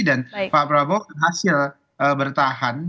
dan pak prabowo berhasil bertahan